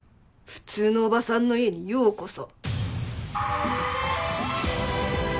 普通のおばさんの家にようこそ。